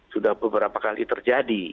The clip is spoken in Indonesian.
sudah beberapa kali terjadi